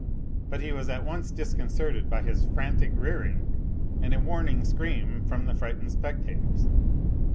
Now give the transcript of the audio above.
But he was at once disconcerted by his frantic rearing and a warning scream from the frightened spectators.